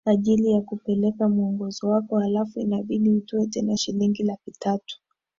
ajili ya kupeleka muongozo wako alafu inabidi utoe tena shilingi laki tatu